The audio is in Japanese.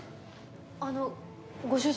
あのご主人？